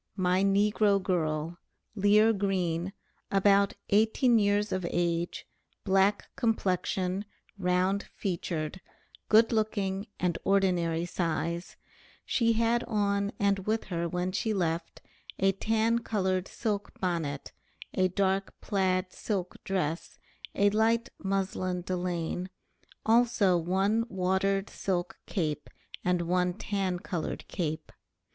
my NEGRO GIRL, Lear Green, about 18 years of age, black complexion, round featured, good looking and ordinary size; she had on and with her when she left, a tan colored silk bonnet, a dark plaid silk dress, a light mouslin delaine, also one watered silk cape and one tan colored cape.